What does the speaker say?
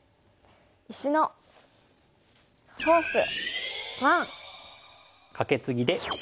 「石のフォース１」。